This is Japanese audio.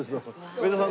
植田さん